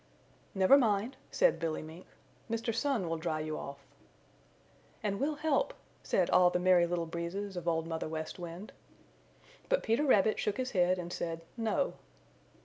"Never mind," said Billy Mink. "Mr. Sun will dry you off." "And we'll help," said all the Merry Little Breezes of Old Mother West Wind. But Peter Rabbit shook his head and said, "No."